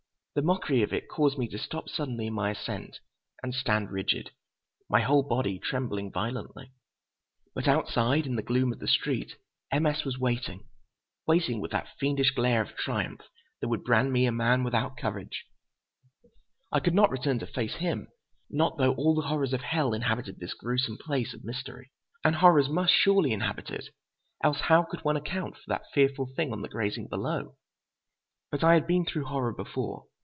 The mockery of it caused me to stop suddenly in my ascent and stand rigid, my whole body trembling violently. But outside, in the gloom of the street, M. S. was waiting, waiting with that fiendish glare of triumph that would brand me a man without courage. I could not return to face him, not though all the horrors of hell inhabited this gruesome place of mystery. And horrors must surely inhabit it, else how could one account for that fearful thing on the grating below? But I had been through horror before.